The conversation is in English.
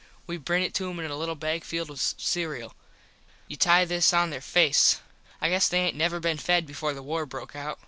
We bring it to em in a little bag filled with cereul. You tie this on there face. I guess they aint never been fed before the war broke out.